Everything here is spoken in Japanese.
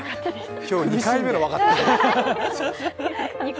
今日２回めの分かった。